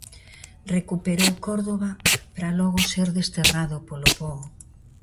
Recuperou Córdoba para logo ser desterrado polo pobo.